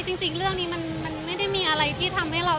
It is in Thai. จริงเรื่องนี้มันไม่ได้มีอะไรที่ทำให้เรา